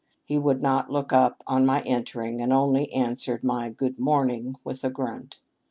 He would not look up on my entering, and only answered my "Good morning" with a grunt.